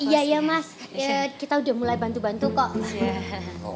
iya iya mas kita udah mulai bantu bantu kok